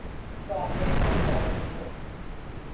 راهپیمایی برای صلح